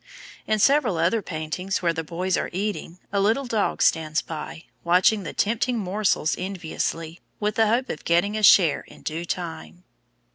In several other paintings, where the boys are eating, a little dog stands by, watching the tempting morsels enviously, with the hope of getting a share in due time.